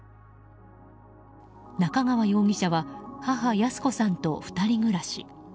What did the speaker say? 中川容疑者は、母・裕子さんと２人暮らし。